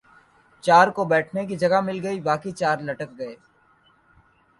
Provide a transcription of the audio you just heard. چار کو بیٹھنے کی جگہ مل گئی باقی چار لٹک گئے ۔